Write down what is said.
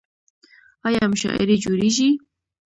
آیا مشاعرې جوړیږي؟